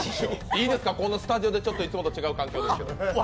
いいですか、このスタジオいつもと違う環境ですが。